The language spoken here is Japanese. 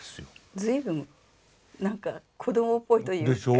随分なんか子どもっぽいというか。でしょう？